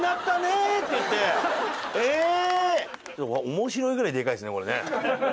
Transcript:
面白いぐらいでかいですねこれね。